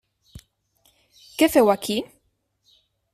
Què feu aquí?